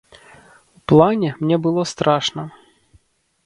У плане, мне было страшна.